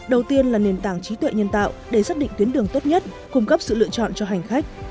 đầu tiên là nền tảng trí tuệ nhân tạo để xác định tuyến đường tốt nhất cung cấp sự lựa chọn cho hành khách